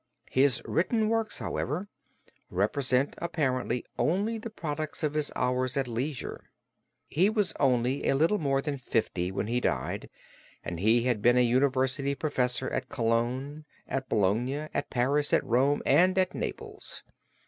His written works, however, represent apparently only the products of his hours at leisure. He was only a little more than fifty when he died and he had been a university professor at Cologne, at Bologna, at Paris, at Rome, and at Naples.